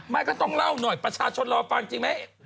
ก็ต้องเล่าหน่อยประชาชนรอฟังจริงไหม